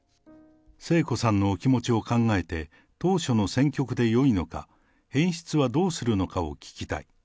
聖子さんのお気持ちを考えて、当初の選曲でよいのか、演出はどうするのかを聞きたい。